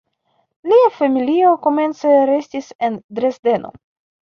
Lia familio komence restis en Dresdeno.